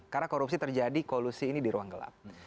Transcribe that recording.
karena korupsi terjadi kolusi ini di ruang gelap